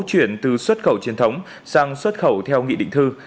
chuyển từ xuất khẩu truyền thống sang xuất khẩu theo nghị định thư